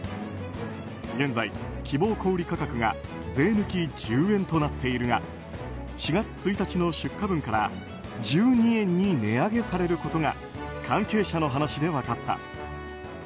現在、希望小売価格が税抜き１０円となっているが４月１日の出荷分から１２円に値上げされることが関係者の話で分かった。